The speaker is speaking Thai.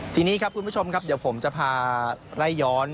ทีนี้ครับคุณผู้ชมครับเดี๋ยวผมจะพาไล่ย้อน